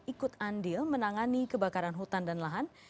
ikut andil menangani kebakaran hutan dan lahan